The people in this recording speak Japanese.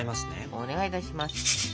お願いいたします。